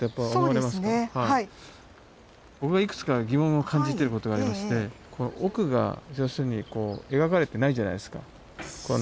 僕がいくつか疑問を感じていることがありまして奥が要するにこう描かれてないじゃないですかこの。